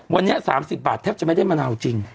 วันนี้๓๐บาทแทบจะไม่ได้มะนาวจริง